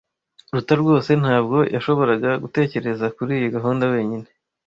Ruta rwose ntabwo yashoboraga gutekereza kuriyi gahunda wenyine.